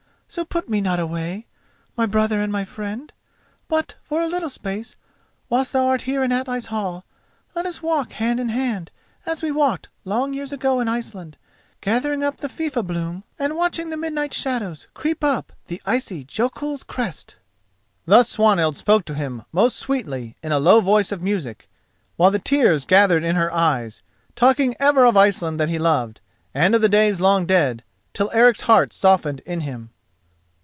So put me not away, my brother and my friend; but, for a little space, whilst thou art here in Atli's hall, let us walk hand in hand as we walked long years ago in Iceland, gathering up the fifa bloom, and watching the midnight shadows creep up the icy jökul's crest." Thus Swanhild spoke to him most sweetly, in a low voice of music, while the tears gathered in her eyes, talking ever of Iceland that he loved, and of days long dead, till Eric's heart softened in him.